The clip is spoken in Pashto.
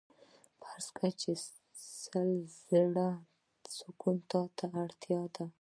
فرض کړئ چې سل زره سکو ته اړتیا ده